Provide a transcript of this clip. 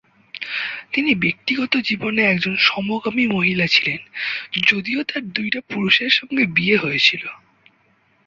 তিনি ব্যক্তিগত জীবনে একজন সমকামী মহিলা ছিলেন যদিও তার দুইটা পুরুষের সঙ্গে বিয়ে হয়েছিলো।